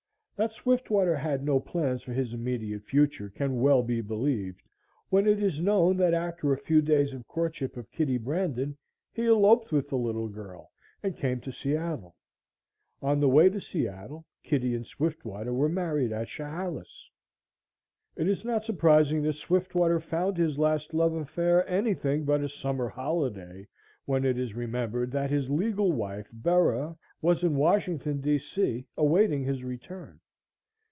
That Swiftwater had no plans for his immediate future can well be believed when it is known that after a few days of courtship of Kitty Brandon, he eloped with the little girl and came to Seattle. On the way to Seattle Kitty and Swiftwater were married at Chehalis. It is not surprising that Swiftwater found his last love affair anything but a summer holiday, when it is remembered that his legal wife, Bera, was in Washington, D. C., awaiting his return.